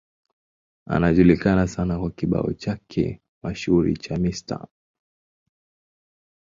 Anajulikana sana kwa kibao chake mashuhuri cha Mr.